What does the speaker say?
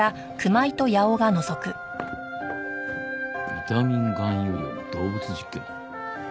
ビタミン含有量の動物実験？